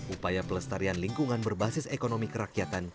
upaya pelestarian lingkungan berbasis ekonomi kerakyatan